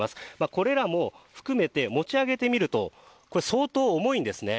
これらも含めて持ち上げてみると相当重いんですね。